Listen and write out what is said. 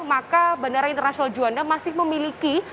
maka bandara internasional juanda masih memiliki